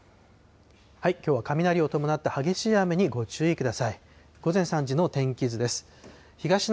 きょうは雷を伴って、激しい雨にご注意ください。